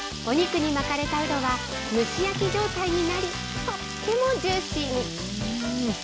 お肉に巻かれたうどは、蒸し焼き状態になり、とってもジューシーに。